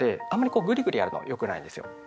こうグリグリやるのはよくないんですよ。